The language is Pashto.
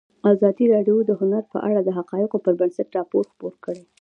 ازادي راډیو د هنر په اړه د حقایقو پر بنسټ راپور خپور کړی.